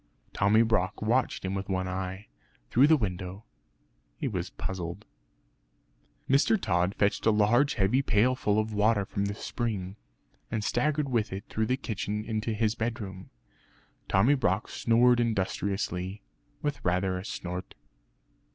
Tommy Brock watched him with one eye, through the window. He was puzzled. Mr. Tod fetched a large heavy pailful of water from the spring, and staggered with it through the kitchen into his bedroom. Tommy Brock snored industriously, with rather a snort.